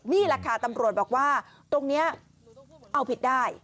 นี่แหละค่ะตำรวจบอกว่าตรงนี้เอาผิดได้